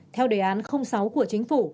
theo đề án sáu của chính phủ